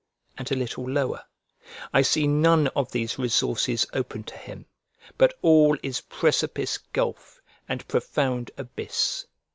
And a little lower: "I see none of these resources open to him; but all is precipice gulf, and profound abyss."